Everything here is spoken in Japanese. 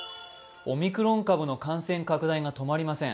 オミクロン株の感染拡大が止まりません。